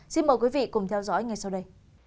xin mời quý vị cùng theo dõi ngay sau đây